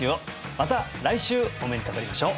また来週お目にかかりましょう！